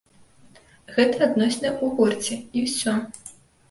Гэта адносіны ў гурце, і ўсё.